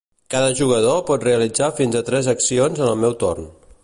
Cada jugador pot realitzar fins a tres accions en el meu torn.